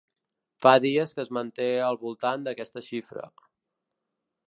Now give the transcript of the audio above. Fa dies que es manté al voltant d’aquesta xifra.